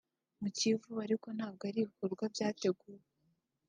mu Kivu ariko ntabwo ari ibikorwa byateguwe